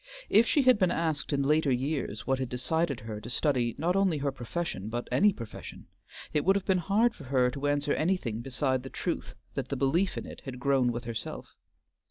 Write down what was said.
If she had been asked in later years what had decided her to study not only her profession, but any profession, it would have been hard for her to answer anything beside the truth that the belief in it had grown with herself.